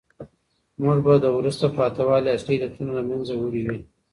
موږ به د وروسته پاته والي اصلي علتونه له منځه وړي وي.